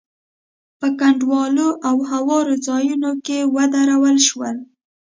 په کنډوالو او هوارو ځايونو کې ودرول شول.